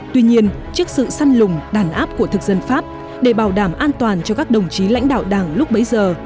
tuy nhiên trước sự săn lùng đàn áp của thực dân pháp để bảo đảm an toàn cho các đồng chí lãnh đạo đảng lúc bấy giờ